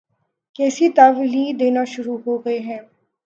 کیسی تاویلیں دینا شروع ہو گئے ہیں۔